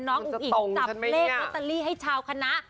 น้องอุ๋งอิ่งจับเลขลอตตาลีให้ชาวคณะ